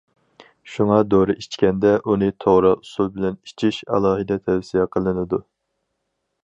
شۇڭا، دورا ئىچكەندە، ئۇنى توغرا ئۇسۇل بىلەن ئىچىش ئالاھىدە تەۋسىيە قىلىنىدۇ.